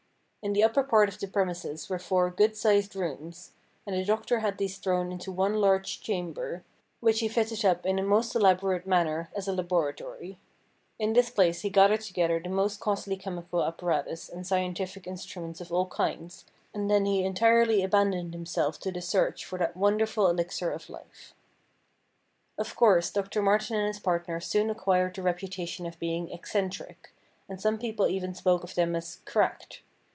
In the upper part of the premises were four good sized rooms, and the doctor had these thrown into one large chamber, which he fitted up in a most elaborate manner as a laboratory. In this place be gathered together the most costly chemical apparatus THE STRANGE STORY OF DR. MARTIN 309 and scientific instruments of all kinds, and then lie entirely abandoned himself to the search for that wonderful elixir of life. Of course Dr. Martin and his partner soon acquired the reputation of being eccentric, and some people even spoke of them as ' cracked.'